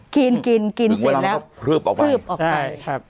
กินกินกินเสร็จแล้วพื้บออกไปพื้บออกไปใช่ครับ